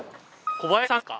小林さんですか？